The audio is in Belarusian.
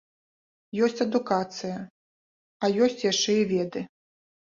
Ёсць адукацыя, а ёсць яшчэ і веды.